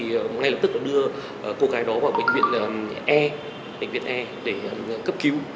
hôm nay lập tức nó đưa cô gái đó vào bệnh viện e để cấp cứu